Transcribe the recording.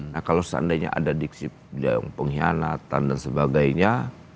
nah kalau seandainya ada diksi yang pengkhianatan dan sebagainya